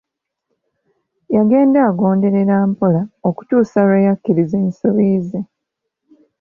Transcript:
Yagenda agonderera mpola okutuusa lwe yakkiriza ensobi ze.